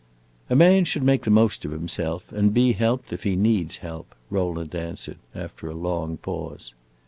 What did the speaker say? "A man should make the most of himself, and be helped if he needs help," Rowland answered, after a long pause.